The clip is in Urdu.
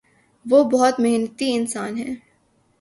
وہ بہت محنتی انسان ہے۔